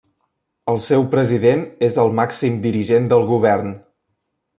El seu President és el màxim dirigent del govern.